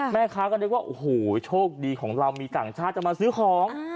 แม่ค้าก็นึกว่าโอ้โหโชคดีของเรามีต่างชาติจะมาซื้อของ